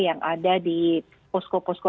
yang ada di posko posko